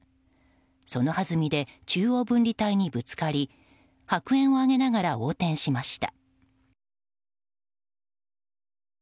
そのはずみで中央分離帯にぶつかり白煙を上げながら横転しました。